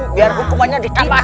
biar hukumannya ditambah